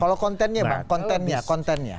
kalau kontennya bang kontennya